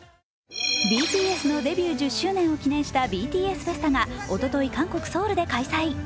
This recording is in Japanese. ＢＴＳのデビュー１０周年を記念したＢＴＳＦＥＳＴＡが、おととい韓国・ソウルで開催。